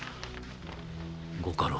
ご家老